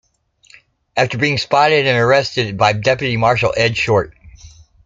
After being spotted and arrested by Deputy Marshal Ed Short.